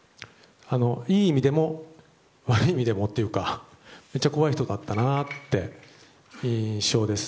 いい意味でも悪い意味でもというかめっちゃ怖い人だったなという印象です。